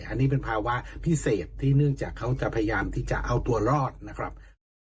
อันนี้เป็นภาวะพิเศษที่เนื่องจากเขาจะพยายามที่จะเอาตัวรอดนะครับ